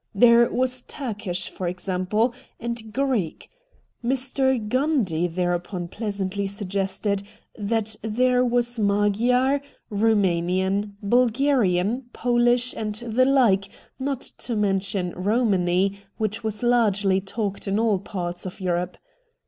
There was Turkish, for example, and Greek. Mr. Gundy thereupon pleasantly suggested that there was Magyar, Eoumanian, Bulgarian, Polish, and the like, not to mention Eomany, which was largely talked in all parts of Europe.